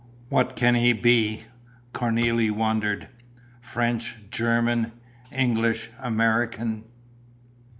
"What can he be?" Cornélie wondered. "French, German, English, American?"